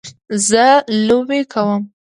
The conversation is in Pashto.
زه لوبې کوم